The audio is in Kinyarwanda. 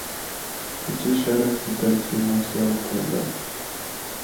Mukesha yari afite itariki yumunsi w'abakundana.